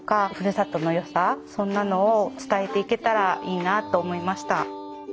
そんなのを伝えていけたらいいなと思いました。